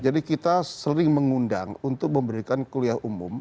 jadi kita sering mengundang untuk memberikan kuliah umum